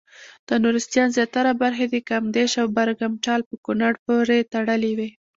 د نورستان زیاتره برخې کامدېش او برګمټال په کونړ پورې تړلې وې.